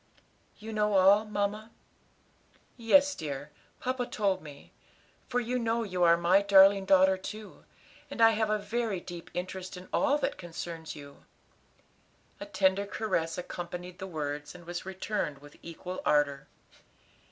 "You know all, mamma?" "Yes, dear; papa told me; for you know you are my darling daughter too, and I have a very deep interest in all that concerns you." A tender caress accompanied the words, and was returned with equal ardor.